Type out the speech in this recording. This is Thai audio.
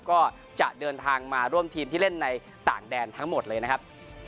ก็จะเดินทางมาร่วมทีมที่เล่นในต่างแดนทั้งหมดเลยนะครับ